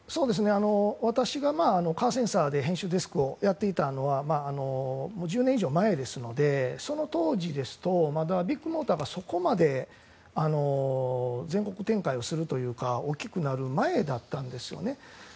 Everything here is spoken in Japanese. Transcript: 私が「カーセンサー」で編集デスクをやっていたのは１０年以上前ですのでその当時ですとまだビッグモーターがそこまで全国展開をするというか大きくなる前だったんですよね。